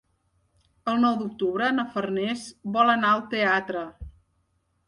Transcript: El nou d'octubre na Farners vol anar al teatre.